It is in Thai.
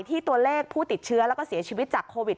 ตัวเลขผู้ติดเชื้อแล้วก็เสียชีวิตจากโควิด